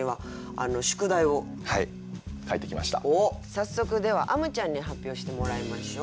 早速ではあむちゃんに発表してもらいましょう。